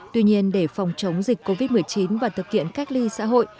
tuy nhiên để phòng chống dịch covid một mươi chín và thực hiện cách ly xã hội